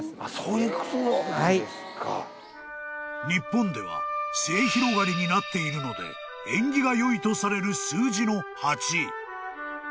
［日本では末広がりになっているので縁起がよいとされる数字の「八」」